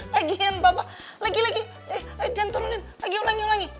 lagikan papa lagi lagi eh jangan turunin lagi ulangi ulangi